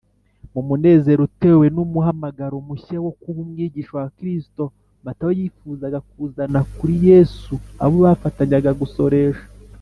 mu munezero utewe n’umuhamagaro mushya wo kuba umwigishwa wa kristo, matayo yifuzaga kuzana kuri yesu abo bafatanyaga gusoresha